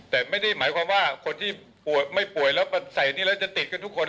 แต่ไม่ได้หมายความว่าคนที่ป่วยไม่ป่วยแล้วใส่นี่แล้วจะติดกันทุกคน